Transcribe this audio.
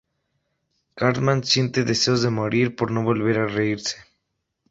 Cartman siente deseos de morir por no volver a reírse.